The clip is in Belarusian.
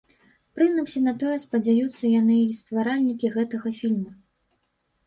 Прынамсі на тое спадзяюцца яны й стваральнікі гэтага фільма.